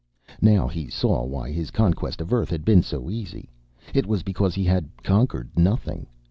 _ Now he saw why his conquest of Earth had been so easy; it was because he had conquered nothing.